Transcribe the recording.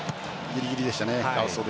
ギリギリでしたね。